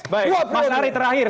baik mas hari terakhir